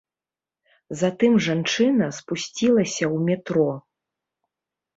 Затым жанчына спусцілася ў метро.